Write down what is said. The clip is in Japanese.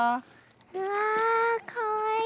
うわかわいい。